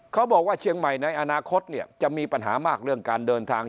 เขาบอกว่าเชียงใหม่ในอนาคตเนี่ยจะมีปัญหามากเรื่องการเดินทาง